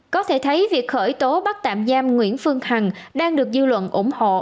có thể thấy việc khởi tố bắt tạm giam nguyễn phương hằng đang được dư luận ủng hộ